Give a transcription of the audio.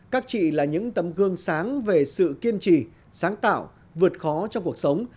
các chị là những tấm gương sáng về sự kiên trì sáng tạo vượt khó trong cuộc sống